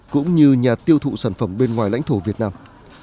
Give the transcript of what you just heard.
cũng như nhà tiêu thụ sản phẩm bên ngoài lãnh thổ việt nam